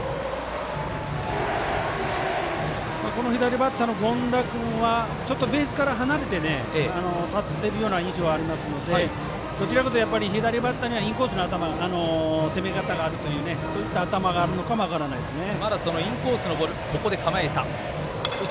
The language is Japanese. この左バッターの権田君はちょっとベースから離れて立っているような印象がありますのでどちらかというと左バッターにはインコースの攻め方があるという頭があるのかも分からないですね。